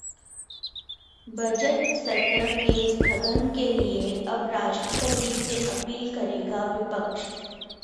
budget सत्र के स्थगन के लिए अब राष्ट्रपति से अपील करेगा विपक्ष